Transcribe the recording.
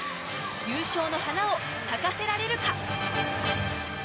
優勝の花を咲かせられるか。